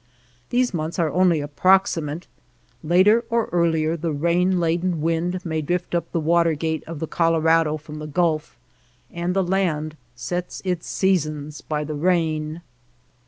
These months are only approximate ; later or earlier the rain laden wind may drift up the water gate of the Colorado from the Gulf, and the land sets its seasons by the rain.